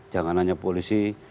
jangan hanya polisi